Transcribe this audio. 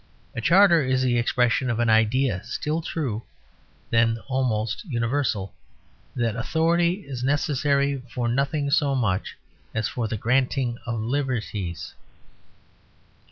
A charter is the expression of an idea still true and then almost universal: that authority is necessary for nothing so much as for the granting of liberties.